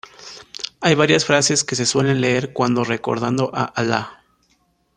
Hay varias frases que se suelen leer cuando recordando a Allah.